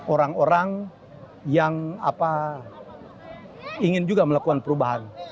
orang orang yang ingin juga melakukan perubahan